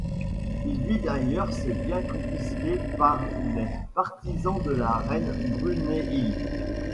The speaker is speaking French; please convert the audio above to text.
Il vit d’ailleurs ses biens confisqués par les partisans de la reine Brunehilde.